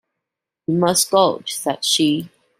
"We must go," said she.